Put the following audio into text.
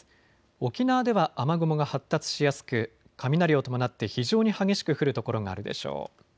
沖縄では雨雲が発達しやすく雷を伴って非常に激しく降る所があるでしょう。